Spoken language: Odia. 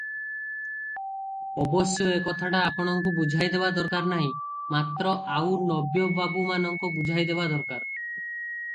ଅବଶ୍ୟ ଏ କଥାଟା ଆପଣଙ୍କୁ ବୁଝାଇଦେବା ଦରକାର ନାହିଁ; ମାତ୍ର ଆଉ ନବ୍ୟ ବାବୁମାନଙ୍କୁ ବୁଝାଇଦେବା ଦରକାର ।